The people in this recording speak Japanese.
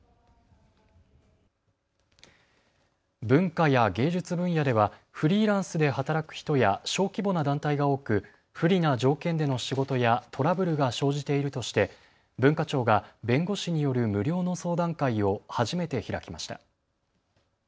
文化や芸術分野ではフリーランスで働く人や小規模な団体が多く不利な条件での仕事やトラブルが生じているとして文化庁が弁護士による無料の相談会を初めて開きました。